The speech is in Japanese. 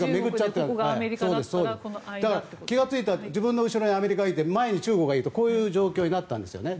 気が付いたら自分の後ろにアメリカがいて前に中国がいるという状況になったんですね。